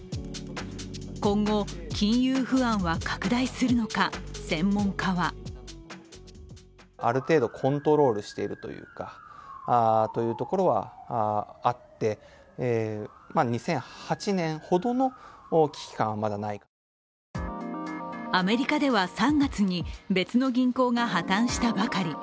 今後、金融不安は拡大するのか専門家はアメリカでは３月に別の銀行が破綻したばかり。